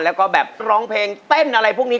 แล้วก็แบบร้องเพลงเต้นอะไรพวกนี้